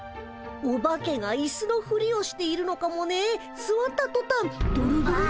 オバケがイスのふりをしているのかもねえすわったとたんドロドロドロ。